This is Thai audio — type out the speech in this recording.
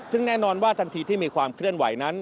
ซึ่งแน่นอนว่าทันทีที่มีความเคลื่อนไหวนั้น